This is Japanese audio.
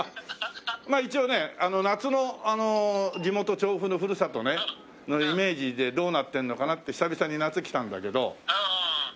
まあ一応ね夏の地元調布のふるさとのイメージでどうなってるのかなって久々に夏来たんだけど。